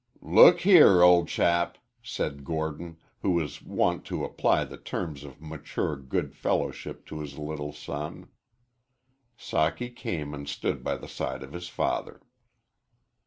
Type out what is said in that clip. "Look here, old chap," said Gordon, who was wont to apply the terms of mature good fellowship to his little son. Socky came and stood by the side of his father.